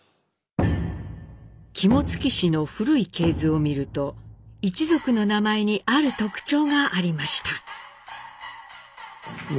肝付氏の古い系図を見ると一族の名前にある特徴がありました。